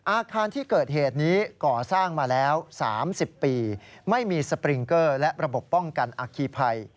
อาคารที่เกิดเหตุนี้ก่อสร้างมาแล้ว๓๐ปีไม่มีสปริงเกอร์และระบบป้องกันอคีภัย